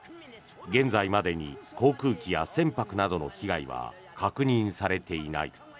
現在までに航空機や船舶などの被害は確認されていない。